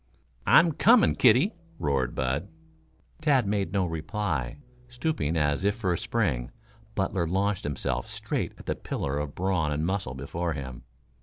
"I'm coming, kiddie!" roared Bud. Tad made no reply. Stooping as if for a spring, Butler launched himself straight at the pillar of brawn and muscle before him.